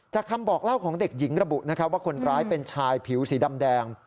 คำบอกเล่าของเด็กหญิงระบุนะครับว่าคนร้ายเป็นชายผิวสีดำแดง